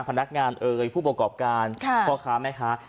พนักงานเอ่ยผู้ประกอบการพ่อค้าแม่ค้า